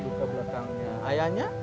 luka belakangnya ayahnya